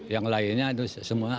yang lainnya itu semua